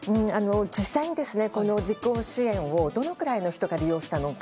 実際に旅行支援をどのくらいの人が利用したのか。